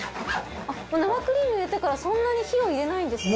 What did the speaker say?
生クリーム入れてからそんなに火を入れないんですね。